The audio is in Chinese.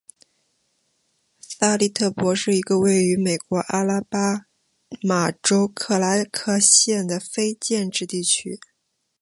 萨利特帕是一个位于美国阿拉巴马州克拉克县的非建制地区。